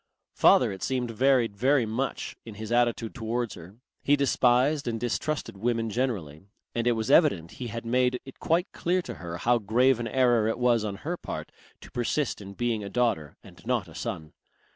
Father it seemed varied very much in his attitude towards her. He despised and distrusted women generally, and it was evident he had made it quite clear to her how grave an error it was on her part to persist in being a daughter and not a son.